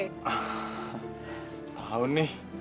ah tahu nih